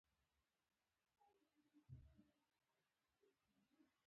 په یو داسې مزي سره تړل شوي دي.